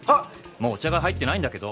もうお茶が入ってないんだけど。